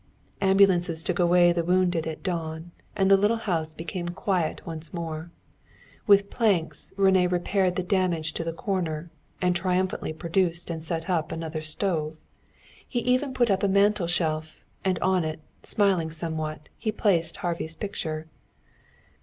Ambulances took away the wounded at dawn, and the little house became quiet once more. With planks René repaired the damage to the corner, and triumphantly produced and set up another stove. He even put up a mantelshelf, and on it, smiling somewhat, he placed Harvey's picture.